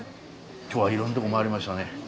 今日はいろんな所回りましたね。